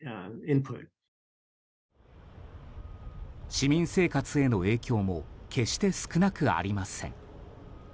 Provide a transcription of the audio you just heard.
市民生活への影響も決して少なくありません。